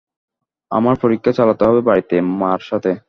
আমার পরীক্ষা চালাতে হবে বাড়িতে, মার সাথে।